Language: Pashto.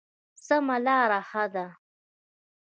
سمه لاره ښه ده.